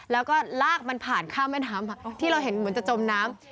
แล้วก็ลากมันผ่านข้ามแม่น้ำที่เราเห็นเหมือนจะจมน้ำ